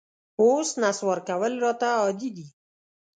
اوس نسوار کول راته عادي دي